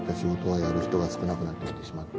やる人が少なくなってきてしまって